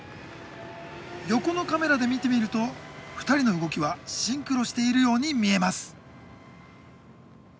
横のカメラで見てみると２人の動きはシンクロしているように見えます。